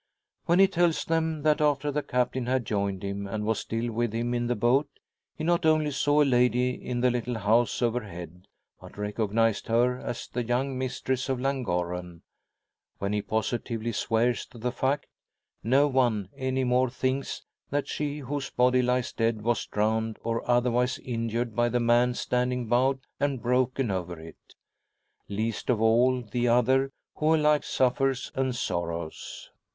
When he tells them that after the Captain had joined him, and was still with him in the boat, he not only saw a lady in the little house overhead, but recognised her as the young mistress of Llangorren when he positively swears to the fact no one any more thinks that she whose body lies dead was drowned or otherwise injured by the man standing bowed and broken over it. Least of all the other, who alike suffers and sorrows.